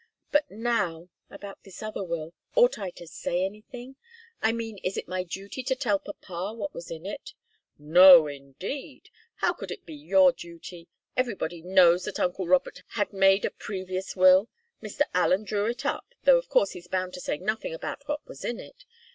But now about this other will ought I to say anything? I mean, is it my duty to tell papa what was in it?" "No, indeed! How could it be your duty? Everybody knows that uncle Robert had made a previous will. Mr. Allen drew it up, though of course he's bound to say nothing about what was in it.